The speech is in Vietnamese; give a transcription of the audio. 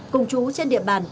cùng chú trên địa bàn